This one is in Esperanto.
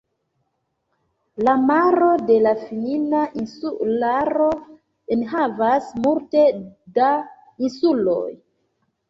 La Maro de la Finna Insularo enhavas multe da insuloj.